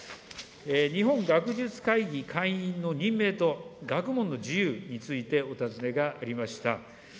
日本学術会議会員の任命と学問の自由についてお尋ねがありました。